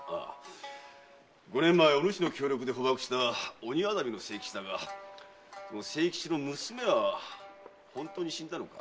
五年前お主の協力で捕縛した鬼薊の清吉だがその清吉の娘は本当に死んだのか？